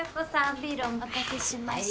ビールお待たせしました